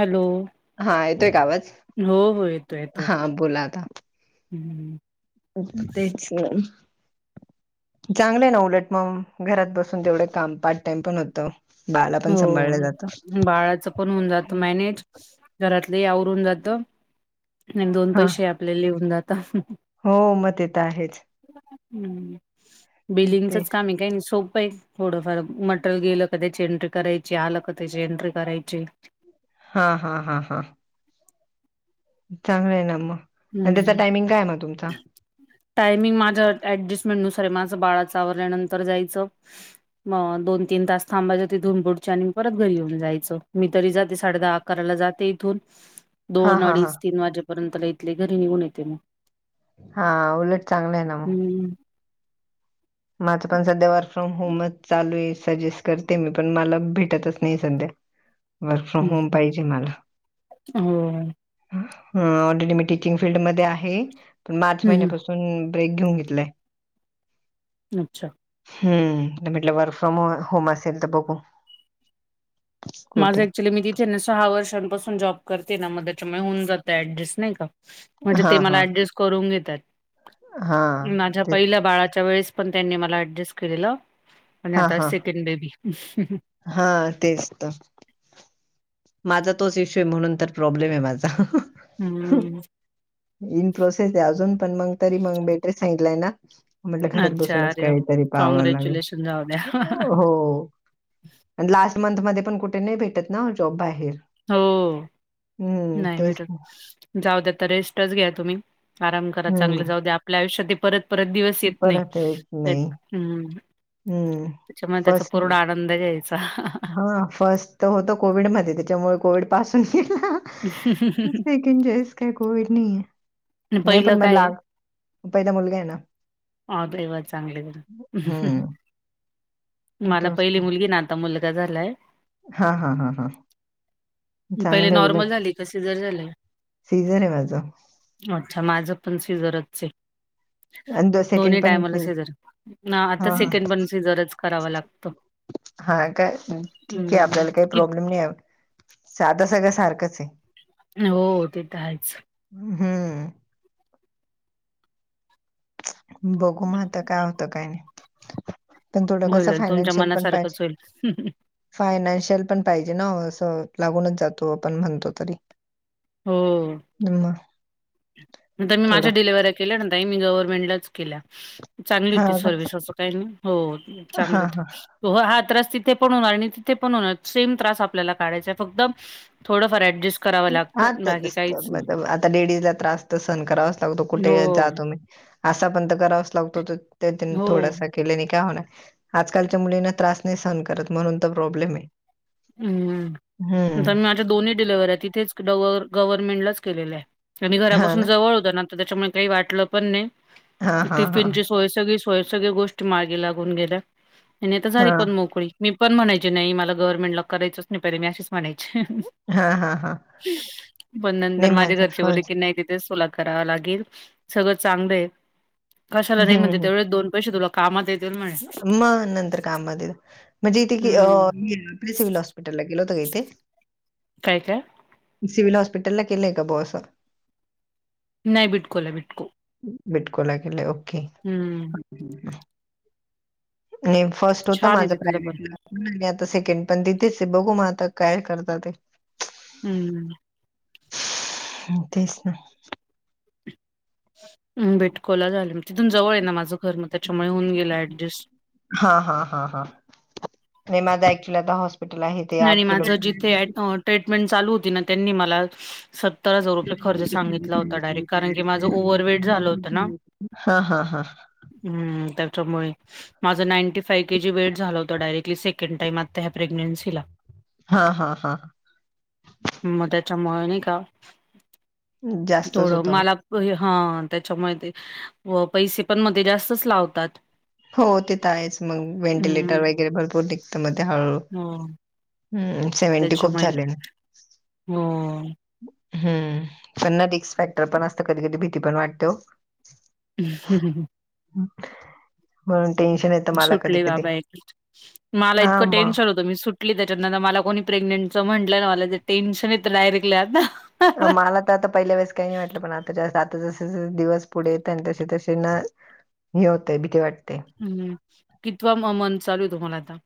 Hello. हां येतोय कां आवांज? हो हो हां बोलां आंता. हम्मं. तेचं की. चांगलं आहे नां उलटं मगं घरांत बसूंन तेवढे कामं पार्ट टाईम पणं होतं. बाळांला पणं सांभाळलं जातं. हो बाळाचं पणं होऊंन जातं मॅनेज घरांतलं ही आवरूंन जातं. आणि दोन हा पैसे ही आपलेल येऊंन जातांत. हो मंग ते तरं आहेचं. हम्मं बिलिंगच ते चं कामं आहे कांहीं नाहीं सोपं आहे. थोडे फार मटरियल गेलं कां त्यांची एंट्री करायची आलं कां त्यांची एंट्री करायची. हां हां हां हां. चांगल हांय नां मगं. हम्मं. टायमिंग माझ्या ऍडजस्टमेंट नुसांर माझं बाळांचा आवरल्यानंतर जायचं. मंग दोन तीनं तास थांबायच ते तिथूंन पुडची आणि मी परंत घरी येऊंन जायचं मी तरी जाते साडे दहा आकरा लां जाते इथूंन हा दोन हा हा अडीच तीनं वाजेपर्यंत इथले घरी निघूंन येते मंग. हां उलटं चांगलं आहे नां मगं. माझं पणं संध्या वर्क फ्रॉम होमचं चालूं आहे सजेस्ट करते मी पणं मलां भेटतं चं नाहीं संध्या. [inaudible] [unintelligible] वर्क फ्रॉम होमं पाहिजे मलां. हो. हं ऑलरेडी मी टीचिंग फीलडमध्यें आहे पणं मार्च हम्म हम्म. महिन्यांपासून हुंन ब्रेक घेऊंन घेतलांय. अच्छा. हम्मं म्हटलं वर्क फ्रॉम होम असेल तरं बघूं. माझं ऍक्च्युली सहा वर्षांपासून जॉब करते नां होऊंन जातं ऍडजस्ट नाहीं कां? म्हणजे हा, ते हा, मलां ऍडजस्ट करूंन घेतांत हा, माझ्यां ते पहिल्या बाळांच्या वेळेस पणं त्यांनी मलां ऍडजस्ट केलेलं. आणि हां, आंता हां, सेकंड बेबी. हां तेचं तरं. माझां तोचं ईशू आहे म्हणूंन तरं प्रॉब्लेम आहे माझां. हम्मं. इनं प्रोसेस आहे अजूंन पणं मंग तरी मंग बेड रेस्ट सांगितलंय नां? म्हटलं घरांत अच्छा बसवूंनचं अरे वा! कांहींतरी पाहावं कॉँग्रॅच्युलेशन जाऊ द्या. लागेल हो. आणि लांस्ट मंथ मध्यें पणं कुठे नाहीं भेटतं नां जॉब बाहेर. हो हम्म, नाहीं तेच ना. भेटतं. जाऊ द्या तर रेस्टच घ्य तुम्ही आराम करा चांगलं हम्म, जाऊ द्या आपल्या आयुष्यात त परत परत दिवस येत नाही परत येत नाही. हम्म, त्याच्यामुळे त्याचा पूर्ण आ आनंद घ्यायचा. हा फर्स्ट तर होत कोविड मध्ये त्याच्यामुळे कोविड पासून गेला ह ह ह्या वेळेस काय कोविड नाही नाही पहिलं पण म काय आहे पहिला मुलगा आहे ना? हं. [unintelligible] मग मला तोच पहिली मुलगी ना, आता मुलगा झालाय हा हा हा हा पहिले चांगले नॉर्मल उलटं झाली का सिझर झालंय? सीझर आहे माझं अच्छा माझं पण सिजरच आहे. आणि तो दोन्ही सेकंड पण सी टायमाला सिजर ना आता हां, हां. सेकंड पण सिजरच करावा लागतो हा का ठीक आहे, हं, आपल्याला काही किती प्रॉब्लेम नाही साधं सगळ सारखंच आहे हो ते तर आहेच हम्‌ बघू मग आता काय होतं काय नाही पण थोडं कसं होईल तुमच्या फायनान्शियल पण पाहिजे‌ मनासारखंच होईल. फायनान्शियल पण पाहिजे ना असं लागूनच जातो आपण म्हणतो तरी‌ मग? नंतर मी माझ्या थोडं डिलिव्हऱ्या केल्या न ताई मी गव्हर्नमेंटलाच केल्या चांगली हां, होती सर्व्हिस असं काही नाही हो चांगली हां, हां. होती हो हा त्रास तिथे पण होणार आणि तिथे पण होणार सेम त्रास आपल्याला काढायचा आहे फक्त थोडफार ऍडजेस्ट हाच तेच असत आता लेडीजला त्रास सहण करावाच लागतो हो, कुठेही जा तुम्ही असा पण तर करावाच लागतो त्या हो. थोडासा केले नाही काय होणार आजकालच्या मुलींना त्रास नाही सहन करत म्हणून तर प्रॉब्लेम आहे हम्म न हं, तर मी माझ्या दोन्ही डिलीव्हरी आहे तिथेच गव गव्हर्नमेंटलाच केलेले आहे आणि हां घरापासून ना. जवळ होत ना तर त्याच्यामुळे काही वाटलं पण हां, नाही हां, हां. टिफिनची सोय सगळी सोय सगळ गोष्टी मार्गी लागून गेल्या. आणि आता झाली हां, पण मोकळी‌ मी पण म्हणायची नाही मला गव्हर्मेंट ला करायच नाही पहिला मी अशी म्हणायची, हां, हां, हां. पण नाही नंतर माझ्या माझं घरचे बोलले फर्स्ट की नाही तिथे तूला करावा लागेल सगळं चांगलं कशाला हं. नाही म्हण हं. त्या दोन पैसे तुला कामात येतील म्हणे मग नंतर काममध्ये म्हणजे इथे की हम्म. आप सिव्हल हॉस्पिटल हॉस्पिटला गेलो होतो का इथे काय-काय सिव्हिल हॉस्पिटलला केलंय का बॉस नाही, बिटकोला हाय बिटको बिटको ला गेले, ओके,, हम्म आणि फर्स्ट होत छान आहे माझं तिथलं पण प्रायव्हेटला नाही आता सेकंड पण तिथेच आहे बघू म आता काय करतात ते हम्म तेच ना अं बिटकोला झाल, मग तिथून जवळ आहे ना माझं घर मग त्याच्यामुळं होऊन गेलं ऍडजेस्ट. हा हा हा हा. नाही माझं ऍक्च्युली आता हॉस्पिटल आहे. ते आणि आठ माझं किलोमीटर जिथे ऍट ट्रीटमेंट चालू होती ना त्यांनी मला सत त्तर हजार रुपये खर्च सांगितला होता डायरेक्ट. कारण की, माझं ओव्हरवेट झालं होत ना. हा हा हा हम्म त्याच्यामुळे. माझं ninety five K G weight झालं होत डायरेक्टली. सेकंड टाईम आता ह्या प्रेग्न्सीला. हा हा हा. मग त्याच्यामुळं नाही का? जास्तच थोडं होता मग. मला बरी हां, त्याच्यामुळे ते पैसे पण मध्ये जास्तच लावतात. हो ते तर आहेच. मग व्हेंटिलेटर हं, वगैरे भरपूर निघत मग ते हळूहळू. हो हम्म सेव्हंटी खूप झाले ना. मंग. हम्म पण ना रिस्क फॅक्टर पण असते कधी, कधी भीती पण वाटते ओ. [unintelligible] [unintelligible] म्हणून टेन्शन येत. सुटले बाबा एकदाची, मां ला हा इतकं मग. टेन्शन होत त मी सुटली त्याच्यातन. आता मला कोणी प्रेग्नेंटच म्हटलं ना, मला तर टेन्शन येतं डायरेक्टली आता. माला तर आता पहिल्या वेळेस काही नाही वाटलं, पण आता आता जा जसजसं दिवस पुढे येता आहे आणि तसे तसे ना हे होतंय भीती वाटते. हम्म. कितवा म मंन्थ चालू आहे तुम्हाला आता?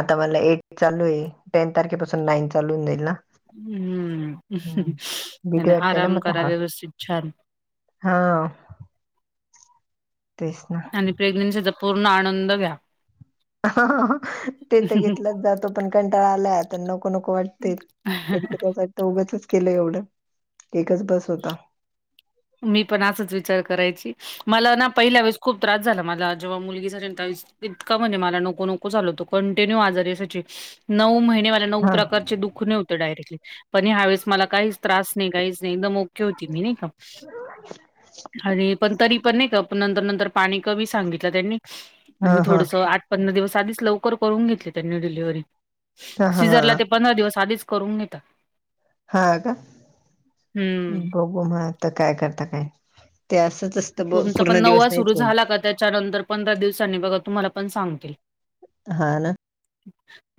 आता मला ऐट चालू आहे टेन तारखेपासून नाईन चालूू होऊन जाईल ना. हम्म हं. भीती आणि वाटते ना आराम मग करा हा व्यवस्थित छान. हा. तेच ना. प्रेग्नन्सीचा पूर्ण आनंद घ्या. ते तर घेतलाच घ्या. जातो, पण कंटाळा आलाय आता नको नको वाट ते कधी कधी वाटतं, उगाचच केलं एवढं. एकच बस होता. मी पण असाच विचार करायची. मला ना पहिल्या वेळेस खूप त्रास झाला, मला जेव्हा मुलगी झाली ना त्यावेळेस. इतका म्हणजे मला नको नको झालं होत कंटिन्यू आजारी आसायची नऊ महिन्यात. नऊ हा प्रकारचे दुखणे होते डयरेक्टली. पण ह्या वेळेस मला काहीच त्रास नाही. काहीच नाही. एकदम ओके होती मी नाही का? [inaudible] आरे पण तरी पण नाही का पण नंतर, नंतर पाणी कमी सांगितलं त्यांनी हा आणि हा थोडसं आठ पंधरा दिवस आधीच लवकर करून घेतली त्यांनी डिलिव्हरी. हा सिझरला हा ते पंधरा दिवस आधीच करून घेतात. हा का? हम्म. बघू म आता काय करता काय, ते असंच अस तुमचा पण नववा सुरू झाला का, त्याच्यानंतर पंधरा दिवसांनी बघा तुम्हाला पण सांगतील. हा ना.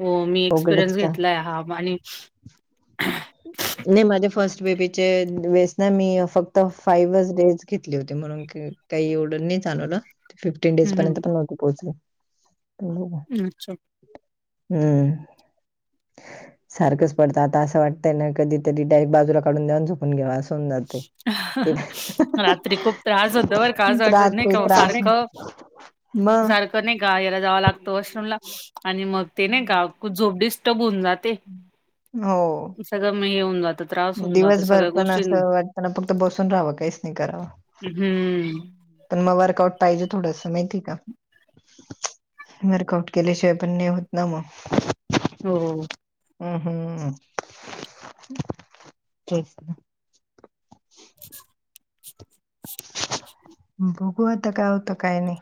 हो मी अवघडच एक्सपिरियन्स का घेतलांय हां आणि नाहीं माझे फर्स्ट बेबीचे वेळेस नां मी फक्तं फाईव्ह डेज घेतले होते म्हणून. कांहीं एवढं नाहीं चालव ना फिफ्टीन डेज हं, हं. पर्यंत पण नव्हते पोहोचले. अच्छा. हम्मं सारखंच पडतं आंता असं वाट. त्यांना कधीतरी डायरेक्ट बाजूला काढून द्यावं आन झोपून घेवा अस होऊन जात. रात्री खूंप त्रासं होतो बरं कां असं वाटतं नई काओ सारखं मं. नई का यांला जावं लागतं वॉशरूमला आणि मग ते नई का कु् झोप डिस्टर्ब हुऊन जाते. हो. सगळं म हे हुन जातं त् दिवसभर पण असं वाटतंना फक्त बसून राहावं कईच नई करावं. हम्म पण म वर्कआउट पायजे थोडंस मायती का. वर्कआंउट केल्यांशिवाय पण नई होत ना म. हो. अं हं तेच ना. [inaudible] बघूं आता काय होतं काय नई.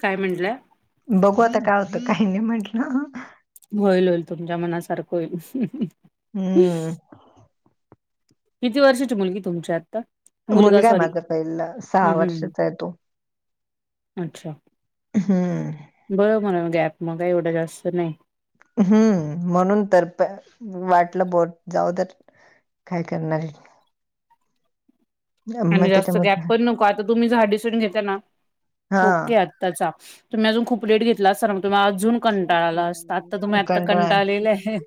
कायं म्हणल्या? बघूं आता काय होतं काय नी म्हटलं. होईल होईल तुमच्या मनासारखं होईल. हम्म किती वर्षाची मुलगी तुमची आत्ता? मुलंगाय माझा पईला सहा वर्षाचाय तो. अच्छा. हम्मं. बरं म्हणून गॅप म काय एवढं जास्तं नई. हम्म म्हणून तर प वाटलं बोट जाऊ द्या र् काय करणारे. आणि मग जास्त गॅप त्याच्यामध्ये पण नको आता तुम्ही ज हा डिसिजन घेत्या ना हा ओके आत् -त्ताचा तुम्ही अजून खूप लेट घेतला असता ना मंग तुम्ही अजून कंटाळा आला असता आत्ता तुम्ही आत्ता कंटाळा आला. कंटाळलेल्याये.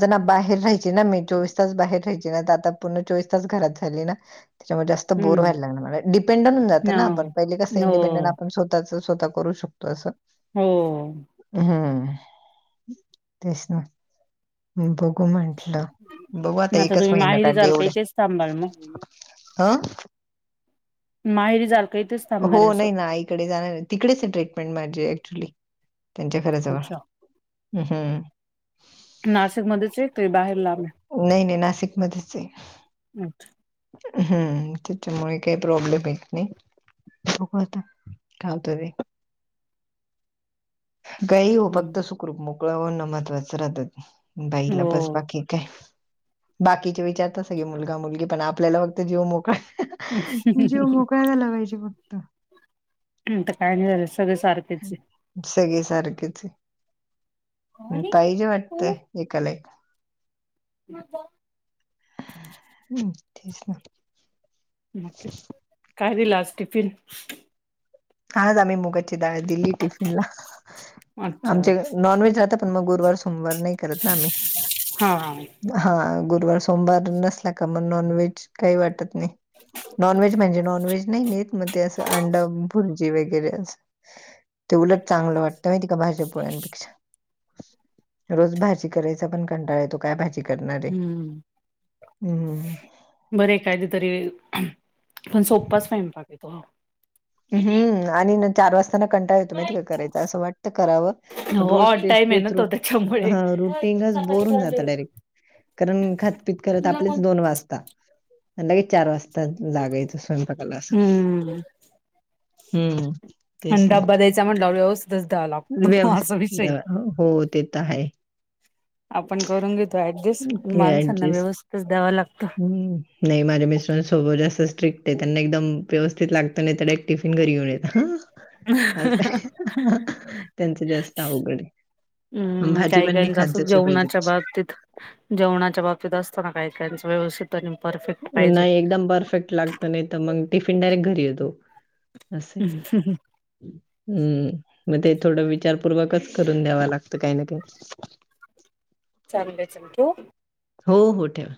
-तना बाहेर राहायची ना मी चोवीस तास बाहेर राहायची ना त आता पूर्ण चोवीस तास घरात झाली ना त्याच्यामुळे जास्त बोर हम्म व्हायला लागण मलां डिपेंडंट हुन जातो ना आपण ह पईले कसं हो ईंडिपेंडंट आपण स्व -ताचं स्वता करू शकतो असं. हम्म. हम्मं तेच ना बघू म्हटलं. बघू आता एकच तुम्ही महिना माहेरी काढले जाल का एवढं, इथेच थांबाल मग हं. माहेरी जाल का इथंच् हो नई ना आईकडे जाणारेन तिकडेचे ट्रीटमेंट माझी ऍक्च्युली. त्याच्या घराजवळ अच्छा ऊ हुम्म. नासीक मध्येचे ते बाहेर लांबे, नाही नाही नाशिकमध्येच आहे अच्छा. हम्म त्याच्यामुळे कई प्रॉब्लेम येत नई. बघु आता काय होतं ते. काई हो फक्त अच्छा सुखरूप मोकळं होनं महत्वाचं राहतत. बईला बस हो बाकी काय. बाकीचे विचारता सगळे मुलगा मुलगी पण आपल्याला फक्त जीव मोकळा जीव मोकळा झाला पाईजे फक्त. हुं अता काय नई राहिलं सगळं सारखंचे. सगळे साखरेचे हुं पाईजे वाटतं एकाला एक. मुद्दाम् हुम्म तेच ना. मक्के काय दिला आज टिफिन? आज आम्ही मुगाची डाळ दिली टिफिन ला.. अच्छा आमचे.. नॉनव्हेज राहत पण मग गुरुवार सोमवार नाही करत नाआम्ह... हा.... हा... गुरुवार सोमवार नसला का मग नॉन व्हेज.. काही वाटत नाही. नॉनव्हेज म्हणजे नॉनव्हेज नाही न्हेत. मग ते असं अंड... वैगैरे अस. ते उलट चांगलं वाटतं माहिती का भाजीपोळ्यापेक्षा... रोज भाजी करायचा पण कंटाळा येतो. काय भाजी करणार आहे. हम्म हम्म... बरं एकाधा तरी.. पण सोपाच स्वयंपाक येतो. हम्म... हम्म... आणि ना चार वाजता.. कंटाळ येतो माहिती का करायचा असं वाटतं करावं. पण हो रोज ऑड तेच- टाईम आहे ना तेच तो रोज... त्याच्यामुळे. टिंगच बोर होऊन जात डायरेक्ट. कारण खात-पीत करत आपलेच दोन वाजता. लगेच चार वाजता लागायचं स्वयंपाकाला असं.. हम्म... हम्म... आणि तेच ना डब्बा द्यायचा म्हटल्याव व्यवस्थित द्यावा लागतो. असा व्यवस्थित विषय आहे... देवा हो ते तर आहे आपण करून घेतो ऍडजेस पण माणसांना ऍडजस्ट व्यवस्थितच द्यावा लागत. हम्म नाही माझ्या मिस्टरांसोबत जास्त स्ट्रिक्टट आहे त्यांना एकदम व्यवस्थित लागतं नाही त्या एक टिफिन घरी येऊन येत ह... आ... हम्म त्यांनच जास्त अवघड आहे... भाजी काही पण नाही काहीच खात असं जशी पाहिजे जेवणाच्या तशी.. बाबतीत जेवणाच्या बाबतीत असत ना काही- काहींचं व्यवस्थित... पण परफेक... नाही एकदम परफेक्ट लागत.. नाही तर... मग टिफिन डायरेक्ट घरी येतो. असं आहे. हम्म.. मग ते थोडं विचारपूर्वकच करून द्याव लागतं काही ना का ही. चांगलच आहे. ठेवू... हो.. हो.. ठेवा.